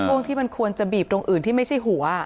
ช่วงที่มันควรจะบีบตรงอื่นที่ไม่ใช่หัว